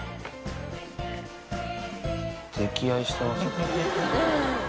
溺愛してますね。